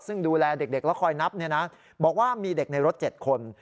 ซึ่งดูแลเด็กแล้วคอยนับบอกว่ามีเด็กในรถ๗คน